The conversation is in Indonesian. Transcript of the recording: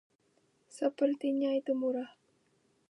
Sepertinya itu murah.